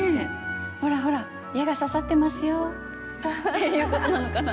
「ほらほら矢が刺さってますよ」っていうことなのかな？